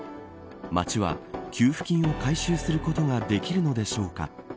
町は給付金を回収することができるのでしょうか。